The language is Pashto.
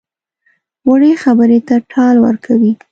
وړې خبرې ته ټال ورکوي.